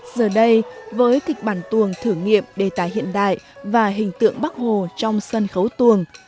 giờ đây với kịch bản tuồng thử nghiệm đề tài hiện đại và hình tượng bắc hồ trong sân khấu tuồng